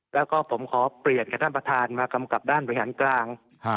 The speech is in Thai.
แล้วก็ผมขอเปลี่ยนกับท่านประธานมากำกับด้านบริหารกลาง